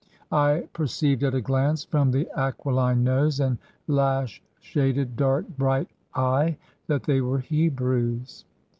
I perceived at a glance, from the aquiline nose and lash shaded dark, bright eye that they were Hebrews.